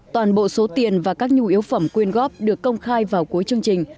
toàn bộ số tiền và các nhu yếu phẩm quyên góp được công khai vào cuối chương trình